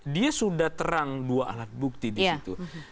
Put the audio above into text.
dia sudah terang dua alat bukti disitu